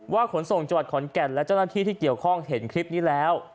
ขนส่งจังหวัดขอนแก่นและเจ้าหน้าที่ที่เกี่ยวข้องเห็นคลิปนี้แล้ว